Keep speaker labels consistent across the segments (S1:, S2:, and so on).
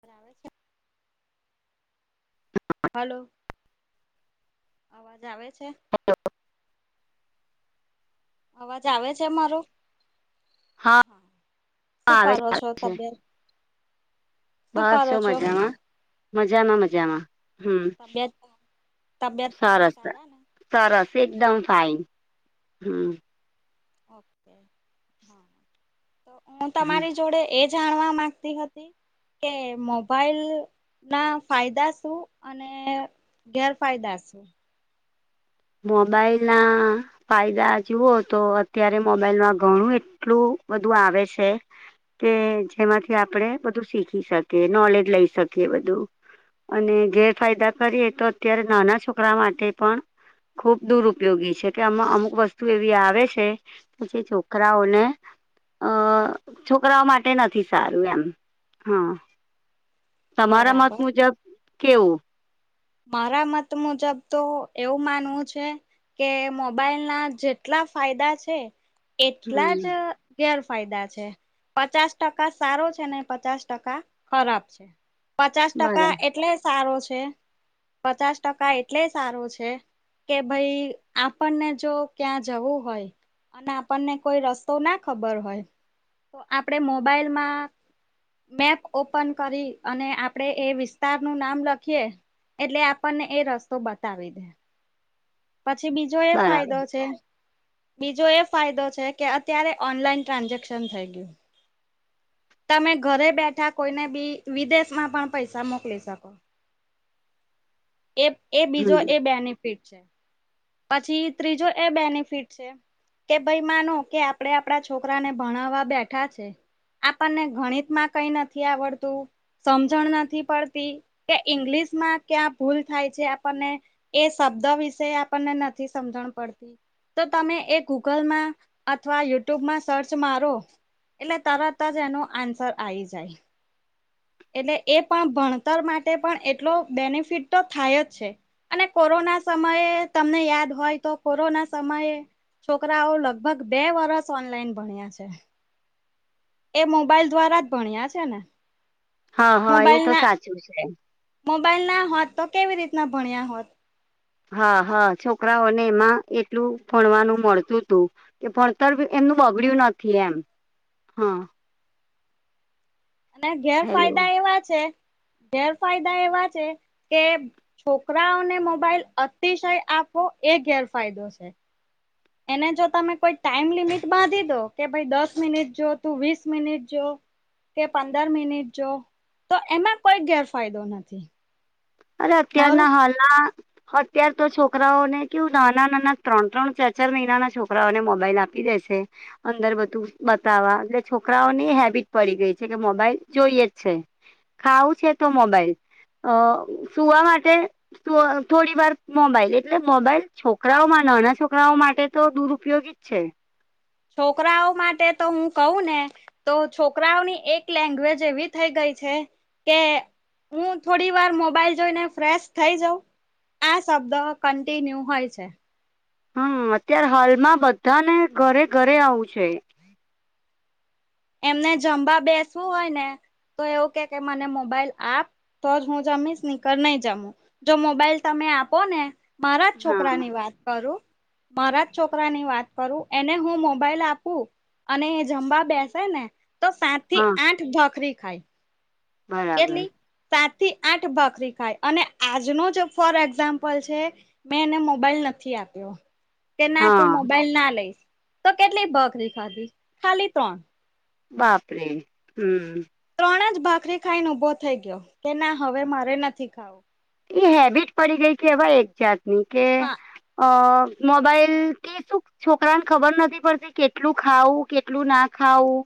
S1: બરાબર છે. હલો અવાજ આવે છે?
S2: હલો?
S1: અવાજ આવે છે મારો હા. શું
S2: આવે છે
S1: કરો
S2: આવે
S1: છો
S2: છે
S1: તમે શું
S2: બસ
S1: કરો
S2: જો
S1: છો?
S2: મજામાં મજામાં નુ જેમા હમ
S1: તબિયત તબિયત પાણી
S2: સરસ અ.
S1: સારા ને
S2: સરસ એકદમ ફાઇન હમ.
S1: ઓકે હા તો હું
S2: હમ
S1: તમારી જોડે એ જાણવા માંગતી હતી કે મોબાઈલ ના ફાયદા શું અન. ને ગેરફાયદા છે.
S2: મોબાઈલ ના ફાયદા જુવો તો અત્યારે મોબાઈલમાં ઘણું એટલું બધું આવે છે. કે જેમાંથી આપણેે બધું શીખી શકીએ નોલેજ લઈ શકીએ બધું. અને ગેર ફાયદા કરીએ તો અત્યારે નાના છોકરા માટે પણ ખૂબ દુરપયોગી છે કે એમા અમુક વસ્તુ એવી આવે છે કે જે છોકરાઓને અ છોકરાઓ માટે નથી સારું એમ હા તમારા મત
S1: બરાબર
S2: મુજબ કેવું?
S1: મારા મત મુજબ તો એવું માનવું છે. કે મોબાઈલ ના જેટલા ફાયદા છે એટલા જ
S2: હમ
S1: ગેર ફાયદા છે. પચાસ ટકા સારો છે ને પચાસ ટકા ખરાબ છે. પચાસ ટકા
S2: બરાબર
S1: એટલે સારું છે પચાસ ટકા એટલે સારું છે? કે ભઈ આપણને જો ક્યાં જવું હોય? અને આપણને કોઈ રસ્તો ના ખબર હોય તો આપણે મોબાઈલમાં મેપ ઓપન કરી અને આપડે એ વિસ્તાર નું નામ લખીએ એટલે આપણને એ રસ્તો બતાવી દે. પછી બીજો એ
S2: બરાબર
S1: ફાયદો છે બીજો એ ફાયદો છે કે અત્યારે ઓનલાઈન ટ્રાન્ઝેક્શન થઈ ગયું. તમે ઘરે બેઠા કોઈને બી વિદેશમાં પણ પૈસા મોકલી શકો. એ એ બીજો
S2: હમ
S1: એ બેનિફિટ છે પછી ત્રીજો એ બેનિફિટ છે? કે ભાઈ માનો કે આપડે આપડા છોકરાને ભણાવવા બેઠા છે. આપણને ગણિત માં કઈ નથી આવડતું? સમજણ નથી પડતી કે ઈંગ્લિશ માં ક્યાં ભૂલ થાય છે આપણને એ શબ્દો વિશે આપણને નથી સમજણ પડતી? તો તમે એ ગૂગલમાં અથવા યુટ્યુબમાં સર્ચ મારો એટલે તરત જ એનો આન્સર આઇ જાય. એટલે એ પણ ભણતર માટે પણ એટલો બેનિફિટ તો થાય જ છે. અને કોરોના સમયે તમને યાદ હોય તો કોરોના સમયે છોકરાઓ લગભગ બે વરસ ઓનલાઈન ભણ્યા છે એ મોબાઈલ દ્વારા જ ભણ્યા છે ને.
S2: હા હા એ
S1: મોબાઈલ
S2: તો
S1: ના
S2: સાચું છે.
S1: મોબાઈલ ના હોત તો કેવી રીતના ભણ્યા હોત?
S2: હા હા છોકરાઓને એમાં એટલું ભણવાનું મળતું હતું કે ભણતર એમનું બગડ્યું નથી એમ હા.
S1: અને
S2: હેલો
S1: ગેરફાયદા એવા છે, ગેરફાયદા એવા છે, કે છોકરાઓને મોબાઈલ અતિશય આપવો એ ગેરફાયદો છે એને જો તમે કોઈ ટાઈમ લિમિટ બાંધી દોકે ભાઈ દસ મિનિટ જોતું વીસ મિનિટ જો, કે પંદર મિનિટ જોતો એમાં કોઈ ગેરફાયદો નથી,
S2: અરે અત્યારના
S1: મારું
S2: હાલના અત્યાર તો છોકરાઓને કેવું નાના -નાના ત્રણ- ત્રણ ચાર -ચાર મહિનાના છોકરાઓને મોબાઈલ આપી દેશે અંદર બધું બતાવા એટલે છોકરાઓને હેબિટ પડી ગઈ છે, કે મોબાઈલ જોઈએ જ છે, ખાવું છે, તો મોબાઈલ અ સુવા માટે થોડીવાર મોબાઈલ એટલે મોબાઈલ છોકરાઓમાં નાના છોકરાઓ માટે તો દુરુઉપયોગી, ઈ છે
S1: છોકરાઓ માટે તોહું કહુંને તો છોકરાઓની એક લેંગ્વેજ એવી થઈ ગઈ છે, કે હું થોડીવાર મોબાઈલ જોઈને ફ્રેશ થઈ જાઉં આ શબ્દ કન્ટિન્યુ હોય છે
S2: હું અત્યારે હાલમાં બધા ને ઘરે ઘરે આવું છે,
S1: એમને જમવા બેસવું હોય ને તો એવું કે કે મને મોબાઈલ આપ તોજ હું જમીશ નીકર નહી જમું જો મોબાઈલ તમે આપોને મારા જ
S2: હા
S1: છોકરાની વાત કરું મારા જ છોકરાની વાત કરું એને હું મોબાઈલ આપું અને એ જમવા બેસે નેતો સાત થી
S2: હા
S1: આઠ ભાખરી ખાય
S2: બરાબર
S1: કેટલી સાત થી આઠ ભાખરી ખાય અને આજનો જે ફોર એક્ઝામ્પલ છે, મેં એને મોબાઈલ નથી આપ્યો, કે
S2: હા
S1: નાતું મોબાઈલ ના લઈશ તો કેટલી ભાખરી ખાઢી ખાલી ત્રણ,
S2: બાપરે હું,
S1: ત્રણ જ ભાખરી ખાઈને ઉભો થઈ ગયો કેના હવે મારે નથી ખાવું
S2: એ હેબિટ પડી ગઈ કે, એવા એક જાતની
S1: હા
S2: કેઅ મોબાઈલ શું છોકરાને ખબર નથી પડતી કેટલું ખાવું કેટલુંના ખાવું.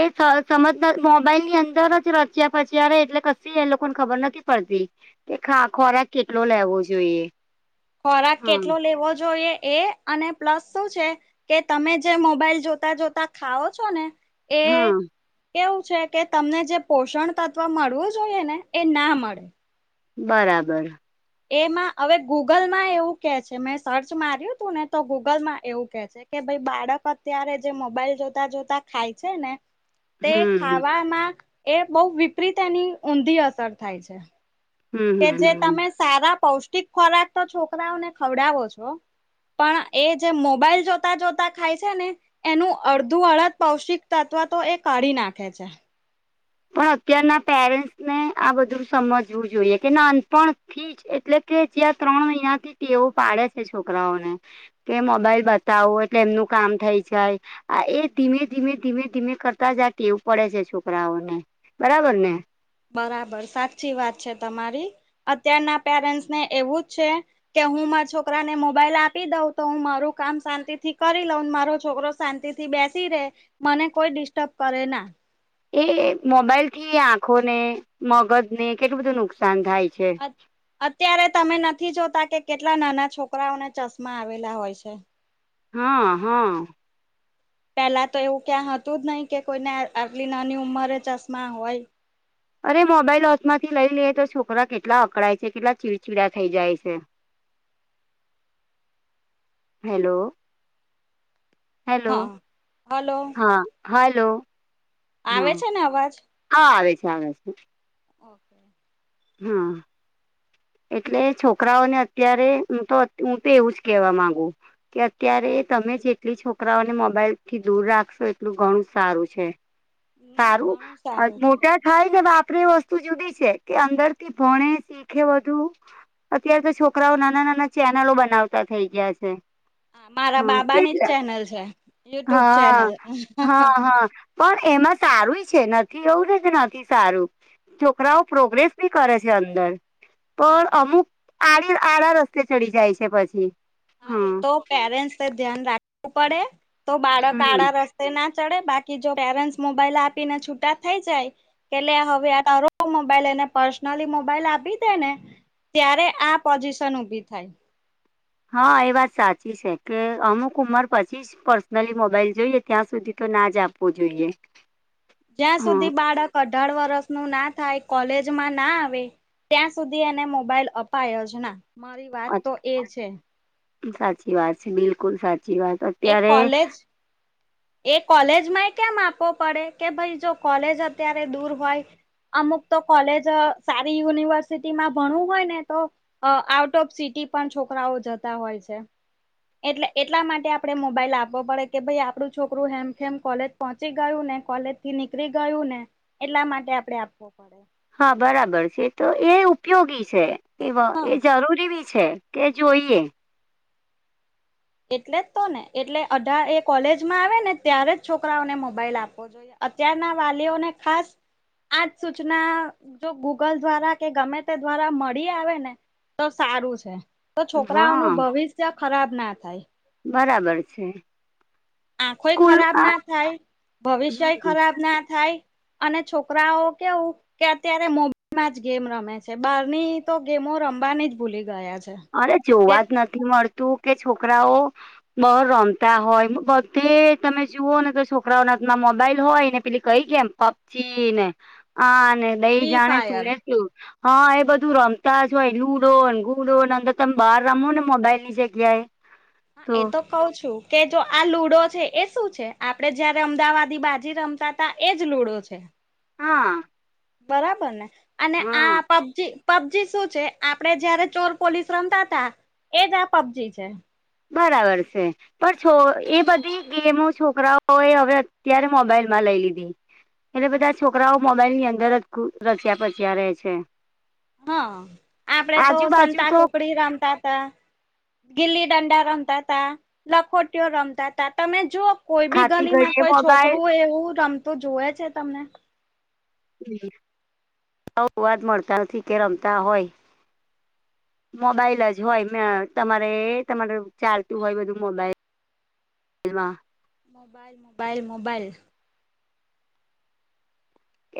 S2: એ સમજ નથી મોબાઈલની અંદર જ રચ્યા પચ્યા રહે એટલે કીએ લોકોને ખબર નથી પડતી. કે ખોરાક કેટલો લેવો જોઈએ.
S1: ખોરાક
S2: હમ
S1: કેટલો લેવો જોઈએ એ અને પ્લસ શું છે, કે તમે જે મોબાઈલ જોતા જોતા ખાઓ છો ને. એક
S2: હમ
S1: એવું છે કે તમને જે પોષણ તત્વ મળવું જોઈએ ને, એના મળે.
S2: બરાબર.
S1: એમાં હવે ગૂગલમાં એવું કે છે, મેં સર્ચ માર્યું તુંને તો ગૂગલમાં એવું કે છે. કે ભાઈ બાળક અત્યારે જે મોબાઈલ જોતા જોતા ખાય છે ને. તે
S2: હમ
S1: ખાવામાં એ બહુ વિપરીત એની ઊંધી અસર થાય છે.
S2: હમ હમ
S1: કેજે
S2: હમ
S1: તમે સારા પૌષ્ટિક ખોરાક તો છોકરાઓને ખવડાવો છો. પણ એજે મોબાઈલ જોતા જોતા ખાય છે ને. એનું અડધું અડદ પૌષ્ટિક તત્વતો એ કાઢી નાખે છે.
S2: પણ અત્યારના પેરેન્ટ્સને આ બધું સમજવું જોઈએ કે નાનપણ થીજ. એટલે કે જ્યાં ત્રણ મહિનાથી ટેવો પાડે છે છોકરાઓને. કે મોબાઈલ બતાવો એટલે એમનું કામ થઈ જાય. આએ ધીમે ધીમે ધીમે ધીમે કરતા જ એવું પડે છે છોકરાઓને, બરાબર ને.
S1: બરાબર સાચી વાત છે તમારી, અત્યારના પેરેન્ટ્સ ને એવું જ છે. કે હુંમા છોકરાને મોબાઈલ આપી દઉંતો હું મારું કામ શાંતિથી કરી લઉંને મારો છોકરો શાંતિથી બેસી રે, મને કોઈ ડિસ્ટર્બ કરેના.
S2: એ મોબાઈલથી આંખોને મગજને કેટલું બધું નુકસાન થાય છે.
S1: અત્યારે તમે નથી જોતા કે કેટલા નાના છોકરાઓને ચશ્મા આવેલા હોય છે.
S2: હા હા.
S1: પેલા તો એવું ક્યાં હતું જ નહિ કે કોઈને આટલી નાની ઉંમરે ચશ્મા હોય.
S2: અરે મોબાઈલ વચમાંથી લઈ લઈએ તો છોકરા કેટલા અકળાય છે કેટલા ચીડચીડા થઈ જાય છે. હેલો. હેલો,
S1: હા હલો
S2: હા હલો.
S1: આવે
S2: હા
S1: છે ને અવાજ?
S2: હા આવે છે આવે છે.
S1: ઓકે.
S2: હા. એટલે છોકરાઓને અત્યારે હું તો હું તો એવું જ કેહેવા માંગુ. કે અત્યારે તમે જેટલી છોકરાઓને મોબાઈલ થી દૂર રાખશો એટલું ઘણું સારું છે.
S1: હમ
S2: સારું,
S1: ઘણું સારું છે
S2: મોટા થાયવે આપડે એ વસ્તુ જુદી છે કે અંદર થી ભણે શીખે બુ અત્ય્યારે તો છોકરાઓ નાના નાના ચેનલો બનાવતા થઇ ગયા છે.
S1: હા મારા
S2: હ
S1: બાબાની જ ચેનલ છે યુટ્યુબ
S2: હા,
S1: ચેનલ
S2: હા હા. પણ એમાં સારું છે નથી એવું છે કે નથી સારું, છોકરાઓ પ્રોગ્રેસ બી કરે છે અંદર. પણ અમુક આડી આડા રસ્તે ચડી જાય છે પછી.
S1: હા એ તો પેરેન્ટ્સ ધ્યાન રાખવું પડે, તો બાળક
S2: હમ
S1: આડા રસ્તા તે ના ચડે બાકી જો પેરેન્ટસ મોબાઈલ આપીને છૂટા થઈ જાય. એટલે હવે આ તારો મોબાઈલ એને પર્સનલી મોબાઈલ આપી દે ને. ત્યારે, આ પોઝિશન ઊભી થાય.
S2: હા, એ વાત સાચી છે કે અમુક ઉંમર પછી જ પર્સનલી મોબાઈલ જોઈએ, ત્યાં સુધી તો ના જ આપવો જોઈએ.
S1: જ્યાં સુધી
S2: હા
S1: બાળક અઢાર વર્ષ નું ના થાય, કોલેજ માં ના આવે ત્યાં સુધી એને મોબાઈલ અપાય જ ના, મારી વાત તો એ છે.
S2: સાચી વાત છે, બિલકુલ સાચી વાત છે.
S1: એક કોલેજ એ કોલેજમાં એ કેમ આપવો પડે કે ભાઈ જો, કોલેજ અત્યારે દૂર હોય. અમુક તો કોલેજ સારી યુનિવર્સિટીમાં ભણવું હોય ને તો અ.. આઉટ ઓફ સિટી પણ છોકરાઓ જતા હોય છે. એટલે, એટલા માટે આપડે મોબાઈલ આપવો પડે કે ભાઈ આપડું છોકરું હેમખેમ કોલેજ પહોંચી ગયું ને કોલેજ થી નીકળી ગયું ને એટલા માટે આપડે આપવો પડે.
S2: હા બરાબર છે, એ તો એ ઉપયોગી છે એ..
S1: હા
S2: એ જરૂરી બી છે, એ જોઈએ.
S1: એટલે જ તો ને એટલે અઢા, એ કોલેજમાં આવે ને ત્યારે જ છોકરાઓને મોબાઈલ આપો જોઈએ. અત્યાર ના વાલીઓને ખાસ આજ સૂચના જો ગૂગલ દ્વારા કે ગમે તે દ્વારા મળી આવે ને તો સારું છે, તો છોકરાઓ નું
S2: હા
S1: ભવિષ્ય ખરાબ ના થાય.
S2: બરાબર છે.
S1: આંખોય
S2: સ્કૂલ
S1: ખરાબ
S2: આ
S1: ના થાય, ભવિષ્ય
S2: હમ
S1: ખરાબ ના થાય. અને છોકરાઓ કેવું કે અત્યારે મોબાઈલ માં જ ગેમ રમે છે, બહારની તો ગેમો રમવાની જ ભૂલી ગયા છે.
S2: અરે
S1: કે
S2: જોવા જ નથી મળતું કે છોકરાઓ બહાર રમતા હોય, બધે તમે જુઓ ને તો છોકરાઓ ના હાથ માં મોબાઈલ હોય ને પેલી કઈ ગેમ પબજી ને આ ને દઈ
S1: ફ્રી
S2: જાણે શું
S1: ફાયર
S2: ને શું... હ, એ બધું રમતા જ હોય લુડો ન ગુડો અર.. તમે બહાર રમો ને મોબાઈલ ની જગ્યાએ
S1: હા.. એ તો કઉ છું કે જો આ લુડો છે એ શું છે, આપડે જયારે અમદાવાદી બાજી રમતા તા, એજ લુડો છે.
S2: હા
S1: બરાબર ને અને
S2: હા
S1: આ પબજી પબજી શું છે આપડે જયારે ચોર-પોલીસ રમતા તા એજ આ પબજી છે.
S2: બરાબર છે. પણ છો, એ બધી ગેમો છોકરાઓ એ હવે અત્યારે મોબાઈલ માં લઈ લીધી. એટલે બધા છોકરાઓ મોબાઈલ ની અંદર જ રચિયા-પચ્યા રહે છે.
S1: હા, આપડે તો
S2: આજુબાજુ તો
S1: સંતા-કુકડી રમતા ગીલી-દંડા રમતા તા, લખોટીયો રમતા તા તમે જુઓ કોઈ બી
S2: ખાતી
S1: ગલી માં
S2: ઘડીએ
S1: કોઈ
S2: મોબાઈલ
S1: છોકરું એવું રમતું જોવે છે તમને
S2: સૌ વાત મળતા નથી કે રમતા હોય. મોબાઈલ જ હોય, તમારે એ તમારે ચાલતું હોય બધું મોબાઈલ એમાં
S1: મોબાઈલ, મોબાઈલ, મોબાઈલ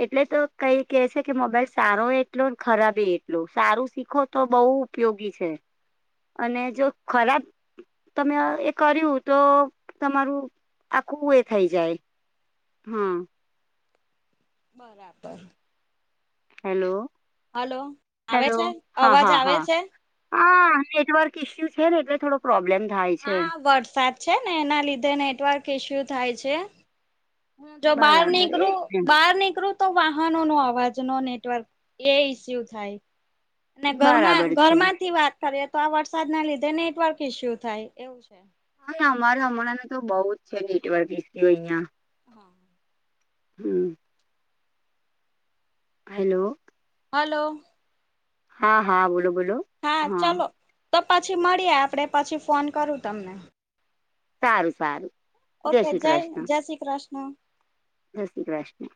S2: એટલે તો કઈ કે છે કે, મોબાઈલ સારો એટલો ન ખરાબ એટલો, સારું શીખો તો બઉ પયોગી છે, અને જો ખરાબ તમે એ કર્યું તો તમારું આખું એ થઈ જાય હા.
S1: બરાબર.
S2: હેલો.
S1: હાલો આવે
S2: હેલો
S1: છે,
S2: હા
S1: અવાજ
S2: હા
S1: આવે
S2: હા
S1: છે?
S2: હા નેટવર્ક ઈસ્યુ છે, ને એટલે થોડો પ્રોબ્લેમ થાય છે.
S1: હા વરસાદ છે, ને એના લીધે નેટવર્ક ઇસ્યુ થાય છે. હમ જો બહાર
S2: બરાબર એ
S1: નીકરુ
S2: જ ને
S1: બહાર નીકરુ તો વાહનોનો અવાજ નો નેટવર્ક એ ઈસ્યુ થાય ને ઘરમાં
S2: બરાબર છે
S1: ઘરમાંથી વા [unintelligible] તો આ વરસાદના લીધે નેટવર્ક ઈસ્યુ થાય એવું છે.
S2: હા ને અમારે હમણાં ન તો બોવ જ છે, નેટવર્ક ઈસીયુ અહિયાં
S1: હા.
S2: હમ. હેલો.
S1: હલો.
S2: હા હા બોલો બોલો
S1: હા ચાલો તો પછી મળીએ આપડે પછી ફોન કરું તમને
S2: સારું સારું
S1: ઓકે
S2: શ્રી
S1: જય
S2: કૃષ્ણ
S1: જય શ્રી કૃષ્ણ.
S2: જય શ્રી કૃષ્ણ.